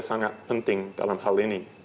sangat penting dalam hal ini